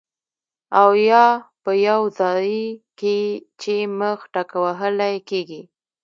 او يا پۀ يو ځائے کې چې مېخ ټکوهلی کيږي